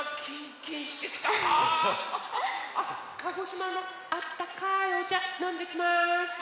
鹿児島のあったかいおちゃのんできます！